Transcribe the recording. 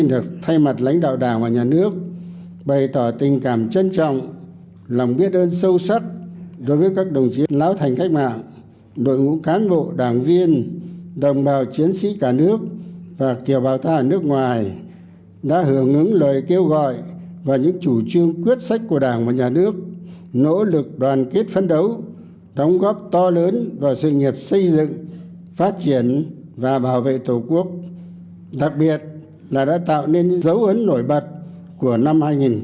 nhưng với các đồng chí lão thành cách mạng đội ngũ cán bộ đảng viên đồng bào chiến sĩ cả nước và kiều bào tha ở nước ngoài đã hưởng ứng lời kêu gọi và những chủ trương quyết sách của đảng và nhà nước nỗ lực đoàn kết phân đấu đóng góp to lớn vào sự nghiệp xây dựng phát triển và bảo vệ tổ quốc đặc biệt là đã tạo nên những dấu ấn nổi bật của năm hai nghìn hai mươi một